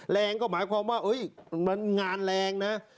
แรงก็หมายความว่ามันงานแรงนะ